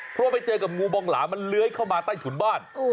เพราะไปเจอกับงูบองหลามันเลื้อยเข้ามาใต้ถุนบ้าน